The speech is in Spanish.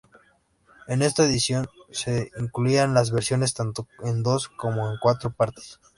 En esta edición se incluían las versiones tanto en dos como en cuatro partes.